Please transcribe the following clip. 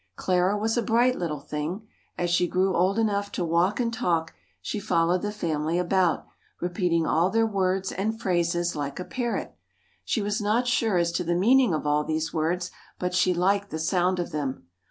Clara was a bright little thing. As she grew old enough to walk and talk, she followed the family about, repeating all their words and phrases like a parrot. She was not sure as to the meaning of all these words, but she liked the sound of them.